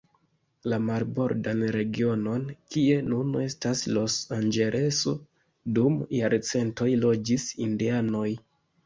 La marbordan regionon, kie nun estas Los Anĝeleso, dum jarcentoj loĝis indianoj.